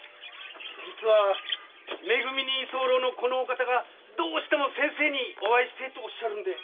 じつはめ組に居候のこのお方がどしても先生にお会いしたいとおっしゃるんで。